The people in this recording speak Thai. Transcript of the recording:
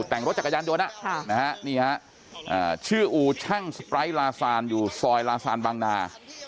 แต่งรถจักรยานยนต์นี่ฮะชื่ออู่ช่างสไปร์ลาซานอยู่ซอยลาซานบางนา